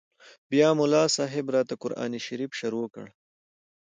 بيا ملا صاحب راته قران شريف شروع کړ.